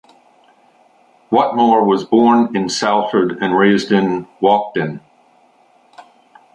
Whatmore was born in Salford and raised in Walkden.